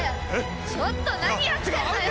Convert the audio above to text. ちょっと何やってるのよ！